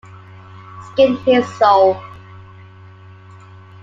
Skin his soul.